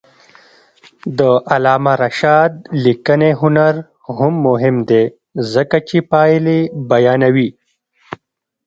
د علامه رشاد لیکنی هنر مهم دی ځکه چې پایلې بیانوي.